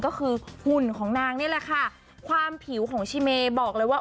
ก็คือหุ่นของนางนี่แหละค่ะความผิวของชีเมย์บอกเลยว่า